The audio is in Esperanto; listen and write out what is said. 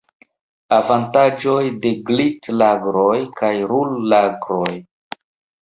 Avantaĝoj de glit-lagroj kaj rul-lagroj.